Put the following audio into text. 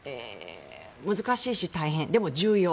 難しいし大変、でも重要。